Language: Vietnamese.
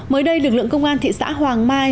mới đây lực lượng công an thị xã hoàng mai